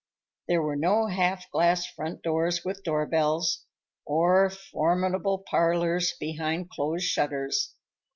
There were no half glass front doors with doorbells, or formidable parlors behind closed shutters.